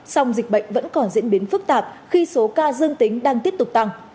song dịch bệnh vẫn còn diễn biến phức tạp khi số ca dương tính đang tiếp tục tăng